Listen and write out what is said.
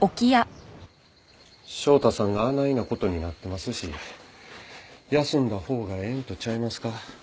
翔太さんがあないな事になってますし休んだほうがええんとちゃいますか？